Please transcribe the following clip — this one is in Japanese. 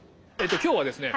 今日はですね